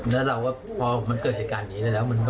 แล้วเราก็พอมันเกิดเศรษฐการณ์นี้เลยแล้วมันก็